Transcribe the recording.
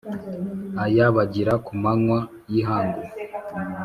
aya bagira ku manywa y’ihangu